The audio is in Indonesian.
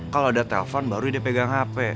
kalau ada telpon baru dia pegang hp